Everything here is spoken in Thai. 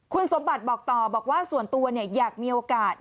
คุณสมบัติบอกต่อบอกว่าส่วนตัวอยากมีโอกาส